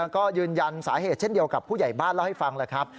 ก็ยืนยันสาเหตุเช่นเดียวกับผู้ใหญ่บ้านเล่าให้ฟังแหละครับ